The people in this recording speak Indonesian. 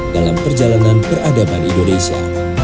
dalam perjalanan peradaban indonesia